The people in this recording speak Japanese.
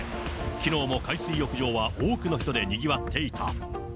きのうも海水浴場は多くの人でにぎわっていた。